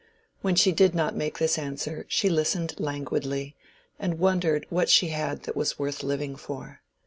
When she did not make this answer, she listened languidly, and wondered what she had that was worth living for.